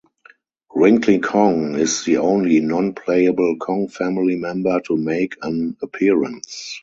Wrinkly Kong is the only non-playable Kong family member to make an appearance.